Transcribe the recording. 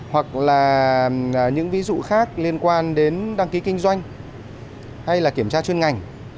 hoặc là những ví dụ khác liên quan đến đăng ký kinh doanh hay là kiểm tra chuyên ngành